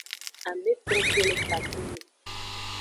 Ameto to le katonme.